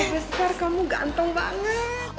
ya besar kamu ganteng banget